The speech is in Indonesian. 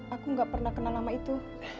aku gak pernah kenal nama itu